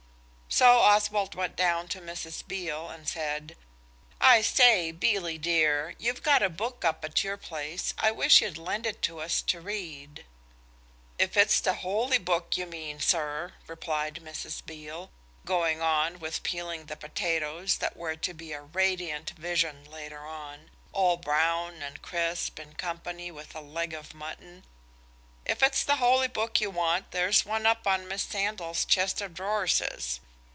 So Oswald went down to Mrs. Beale and said– "I say, Bealie dear, you've got a book up at your place. I wish you'd lend it to us to read." "If it's the Holy Book you mean, sir," replied Mrs. Beale, going on with peeling the potatoes that were to be a radiant vision later on, all brown and crisp in company with a leg of mutton–"if it's the Holy Book you want there's one up on Miss Sandal's chest of drawerses."